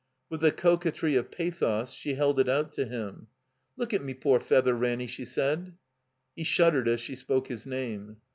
With the coquetry of pathos, she held it out to him. "Look at me poor feather, Ranny," she said. He shuddered as she spoke his name.